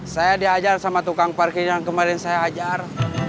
saya diajar sama tukang parking yang kemarin saya hajar